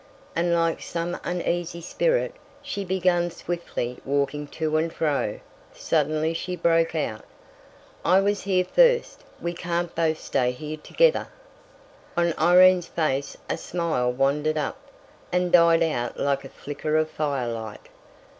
And like some uneasy spirit, she began swiftly walking to and fro. Suddenly she broke out: "I was here first. We can't both stay here together!" On Irene's face a smile wandered up, and died out like a flicker of firelight.